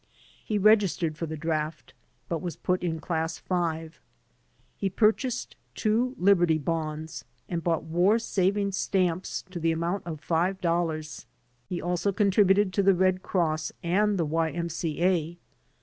He registered for the draft, but was put in class five. He purchased two Liberty Bonds and bought war saving stamps to the amount of $5.00. He also contributed to the Red Cross and the Y. M. C. A.